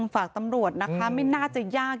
ฝากตำรวจนะคะไม่น่าจะยาก